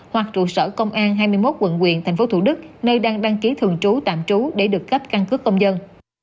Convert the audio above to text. hoặc trụ sở công an hai mươi một quận quyền tp thủ đức nơi đang đăng ký thường trú tạm trú để được cấp căn cứ công dân